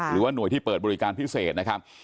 หรือว่าหน่วยที่เปิดบริการพิเศษนะครับ